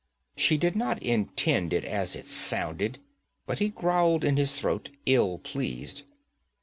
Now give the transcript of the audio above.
She did not intend it as it sounded, but he growled in his throat, ill pleased.